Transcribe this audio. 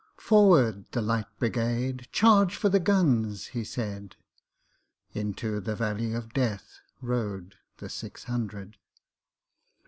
"Forward, the Light Brigade! Charge for the guns!" he said:Into the valley of DeathRode the six hundred.